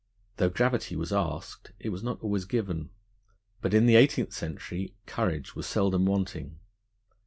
Though gravity was asked, it was not always given; but in the Eighteenth Century courage was seldom wanting.